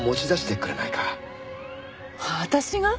私が？